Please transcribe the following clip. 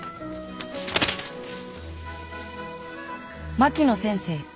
「槙野先生